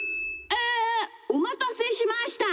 えおまたせしました。